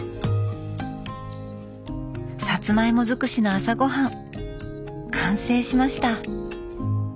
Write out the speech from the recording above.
さつまいも尽くしの朝ごはん完成しました。